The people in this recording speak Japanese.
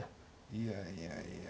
いやいやいや。